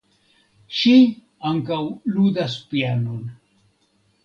Ŝi ankaŭ ludas pianon.